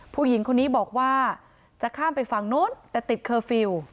ผู้หญิงคนนี้บอกว่าจะข้ามไปฝั่งนู้นแต่ติดเคอร์ฟิลล์